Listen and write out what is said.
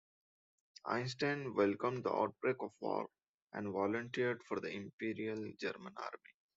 Einstein welcomed the outbreak of war and volunteered for the Imperial German Army.